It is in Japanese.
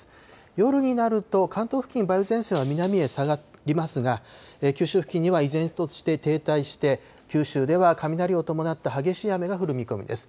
夜になると、関東付近、梅雨前線は南へ下がりますが、九州付近には依然として停滞して、九州では雷を伴った激しい雨が降る見込みです。